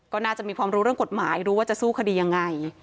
ก็น่าจะมีความรู้เรื่องกฎหมายรู้ว่าจะสู้คดียังไง